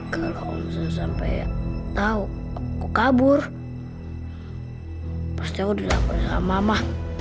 kalau om san sampai tau aku kabur pasti aku tidak bersama mama